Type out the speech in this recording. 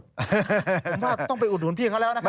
ผมว่าต้องไปอุดหนุนพี่เขาแล้วนะครับ